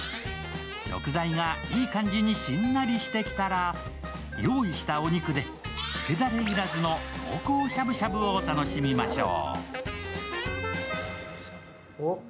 食材がいい感じにしんなりしてきたら用意したお肉でつけだれ要らずの濃厚しゃぶしゃぶを楽しみましょう。